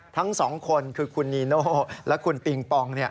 ทั้งสองคนคือคุณนีโน่และคุณปิงปอง